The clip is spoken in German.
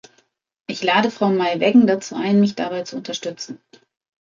Ich lade Frau Maij-Weggen dazu ein, mich dabei zu unterstützen.